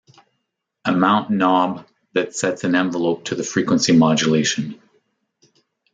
Amount knob that sets an envelope to the frequency modulation.